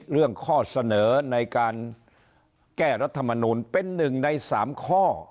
เรื่องข้อเสนอในการแก้รัฐมนุนเป็นหนึ่งในสามข้อ